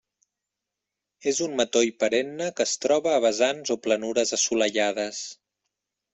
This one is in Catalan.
És un matoll perenne que es troba a vessants o planures assolellades.